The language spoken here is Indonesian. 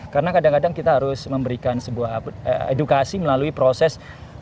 karena kadang kadang kita harus memberikan sebuah edukasi melalui proses